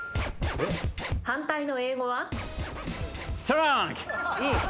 反対の英語は？